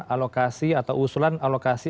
alokasi atau usulan alokasi